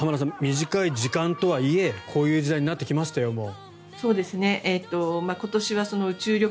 短い時間とはいえこういう時代になってきましたよ、もう。